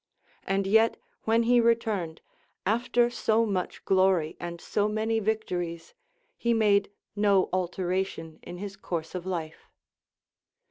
And yet when he returned, after so much glory and so many victories, he made no alteration in his course of life.